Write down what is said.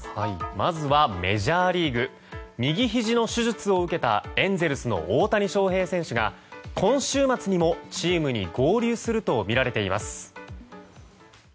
まずはメジャーリーグ右ひじの手術を受けたエンゼルスの大谷翔平選手が今週末にもチームに合流するとみられています。